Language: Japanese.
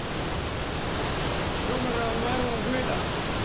今日からはお前らも武衛だ。